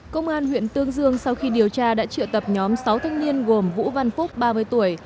công an huyện tương dương sau khi điều tra đã triệu tập nhóm sáu thanh niên gồm vũ văn phúc ba mươi tuổi